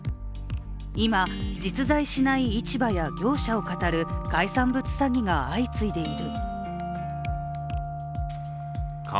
今、実在しない市場や業者をかたる海産物詐欺が相次いでいる。